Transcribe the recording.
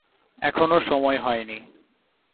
এখনো সময় হয় নি।